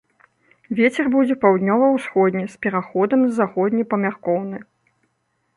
Вецер будзе паўднёва-ўсходні з пераходам на заходні памяркоўны.